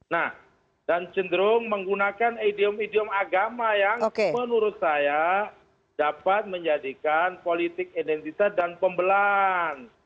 nah dan cenderung menggunakan idiom idiom agama yang menurut saya dapat menjadikan politik identitas dan pembelahan